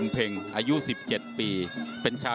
สวัสดีครับ